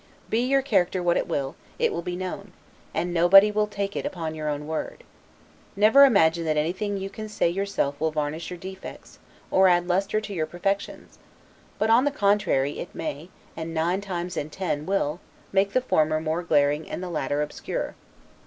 Be your character what it will, it will be known; and nobody will take it upon your own word. Never imagine that anything you can say yourself will varnish your defects, or add lustre to your perfections! but, on the contrary, it may, and nine times in ten, will, make the former more glaring and the latter obscure.